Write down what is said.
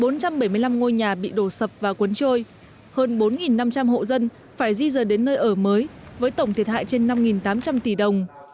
bốn trăm bảy mươi năm ngôi nhà bị đổ sập và cuốn trôi hơn bốn năm trăm linh hộ dân phải di rời đến nơi ở mới với tổng thiệt hại trên năm tám trăm linh tỷ đồng